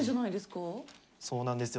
そうなんですよ。